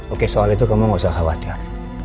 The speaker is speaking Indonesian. oke soal itu kamu gak usah khawatir